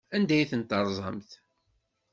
Anda ay ten-terẓamt?